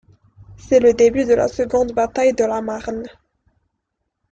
C'est le début de la Seconde bataille de la Marne.